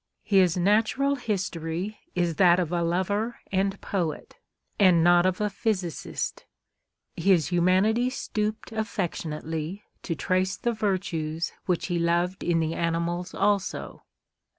His Natural History is that of a lover and poet, and not of a b XVlll INTRODUCTION. physicist. His humanity stooped affectionately to trace the virtues which he loved in the animals also.